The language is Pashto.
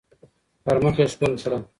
پر مخ يې ښكل كړه